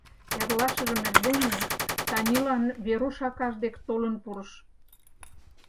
Эрлашыжым эрдене Танилан Веруш акаж дек толын пурыш.